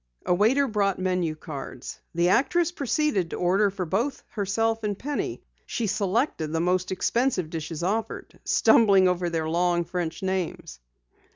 A waiter brought menu cards. The actress proceeded to order for both herself and Penny. She selected the most expensive dishes offered, stumbling over their long French names.